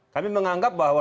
kami menganggap bahwa